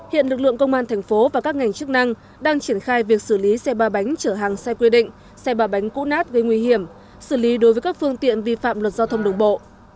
hiện lực lượng công an thành phố và các ngành chức năng đang triển khai việc xử lý xe ba bánh chở hàng sai quy định xe ba bánh cũ nát gây nguy hiểm xử lý đối với các phương tiện vi phạm luật giao thông đồng bộ